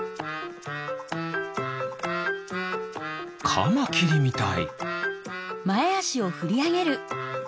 カマキリみたい。